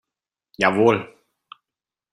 Jawohl!